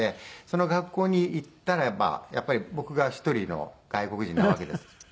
その学校に行ったらばやっぱり僕が１人の外国人なわけです。